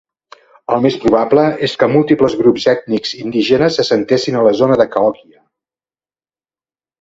El més probable és que múltiples grups ètnics indígenes s'assentessin a la zona de Cahokia.